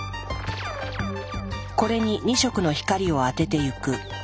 これに２色の光を当ててゆく。